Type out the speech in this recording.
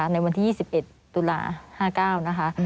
ในวันที่๒๑ตุลา๕๙นะคะ